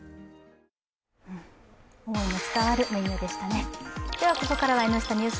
思いの伝わるメニューでしたね。